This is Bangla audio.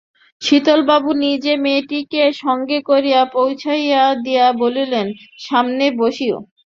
শীতলবাবু নিজে মেয়েটিকে সঙ্গে করিয়া পৌছাইয়া দিয়া বলিয়াছেন, সামনে বসিও।